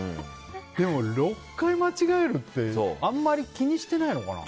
でも６回間違えるってあんまり気にしてないのかな。